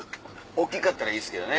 大っきかったらいいですけどね。